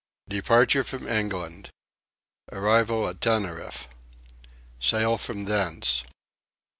Departure from England. Arrival at Tenerife. Sail from thence.